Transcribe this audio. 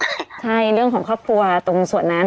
ใช่เรื่องของครอบครัวตรงส่วนนั้น